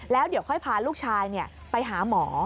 แล้วเดี๋ยวค่อยพาลูกชายไปหาหมอ